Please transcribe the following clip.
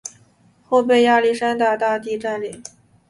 后被亚历山大大帝占领。